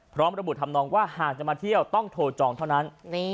พร้อมระบุทำนองว่าหากจะมาเที่ยวต้องโทรจองเท่านั้น